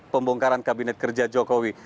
pembongkaran kabinet kerja jokowi